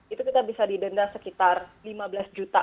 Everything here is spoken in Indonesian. itu kita bisa didenda sekitar lima belas juta